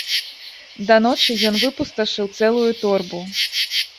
Да ночы, ён выпусташыў цэлую торбу.